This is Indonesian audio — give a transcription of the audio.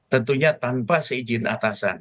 tentunya tanpa seizin atasan